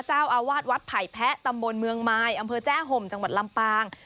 เจ้าอาวาสวัดไผ่แพะตำบลเมืองมายอำเภอแจ้ห่มจังหวัดลำปาง